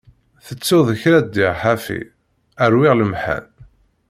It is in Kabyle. Tettuḍ kra ddiɣ ḥafi, ṛwiɣ lemḥan.